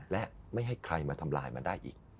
และไม่ให้ใครมาทำลายมันได้อีก